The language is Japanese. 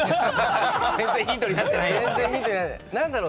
全然ヒントになってないよ。